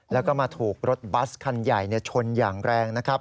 แล้วก็มาถูกรถบัสคันใหญ่ชนอย่างแรงนะครับ